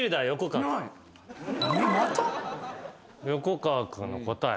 横川君の答え